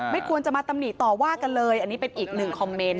ไม่ควรจะมาตำหนิต่อว่ากันเลยอันนี้เป็นอีกหนึ่งคอมเมนต์